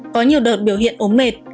có nhiều đợt biểu hiện ốm mệt